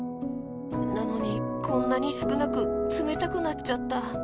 なのにこんなにすくなくつめたくなっちゃった。